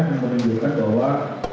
memimpin diri kita bahwa